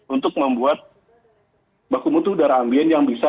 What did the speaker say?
untuk membuat baku mutu udara ambien yang bisa